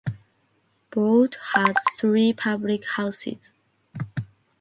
Brough has three public houses.